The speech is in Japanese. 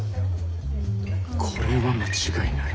これは間違いない。